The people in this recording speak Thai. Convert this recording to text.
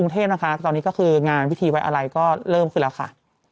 เทพนะคะตอนนี้ก็คืองานพิธีไว้อะไรก็เริ่มขึ้นแล้วค่ะ